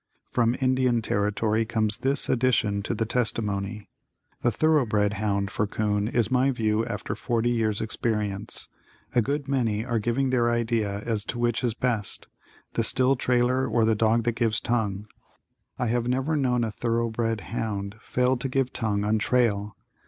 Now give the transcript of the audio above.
From Indian Territory comes this addition to the testimony: The thoroughbred hound for 'coon is my view after 40 years' experience. A good many are giving their idea as to which is best, the still trailer or the dog that gives tongue. I have never known a thoroughbred hound fail to give tongue on trail.